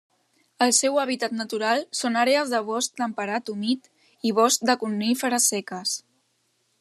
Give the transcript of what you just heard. El seu hàbitat natural són àrees de bosc temperat humit i bosc de coníferes seques.